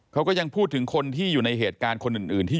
เขาก็ยังพูดถึงคนที่อยู่ในเหตุการณ์คนอื่นที่